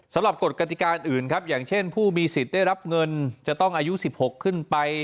กฎกติการอื่นครับอย่างเช่นผู้มีสิทธิ์ได้รับเงินจะต้องอายุ๑๖ขึ้นไป